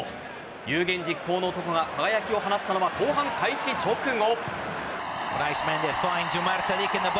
有言実行の男が輝きを放ったのは後半開始直後。